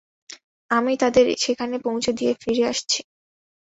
আমি তাদের সেখানে পৌঁছে দিয়ে ফিরে আসছি।